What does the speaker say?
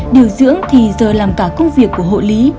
điều dưỡng thì giờ làm cả công việc của hộ lý